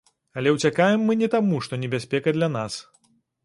Але ўцякаем мы не таму, што небяспека для нас.